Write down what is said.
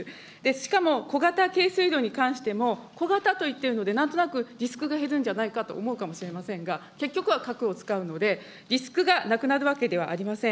しかも小型軽水炉に関しても、小型と言っているのでなんとなくリスクが減るんじゃないかと思うかもしれませんが、結局は核を使うので、リスクがなくなるわけではありません。